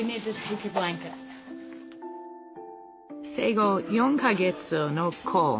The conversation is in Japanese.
生後４か月のコウ。